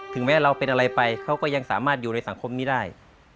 แม้เราเป็นอะไรไปเขาก็ยังสามารถอยู่ในสังคมนี้ได้